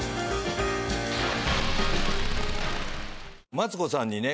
マツコさんにね